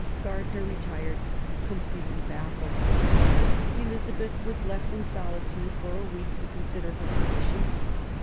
Gardiner retired com pletely baffled. Elizabeth was left in solitude for a week to consider her position.